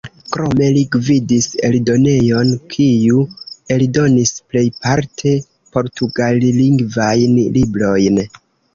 Krome li gvidis eldonejon, kiu eldonis plejparte portugallingvajn librojn.